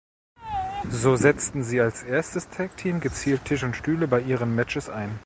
So setzten sie als erstes Tag-Team gezielt Tisch und Stühle bei ihren Matches ein.